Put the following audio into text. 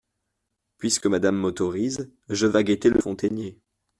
Puisque Madame m’autorise… je vas guetter le fontainier.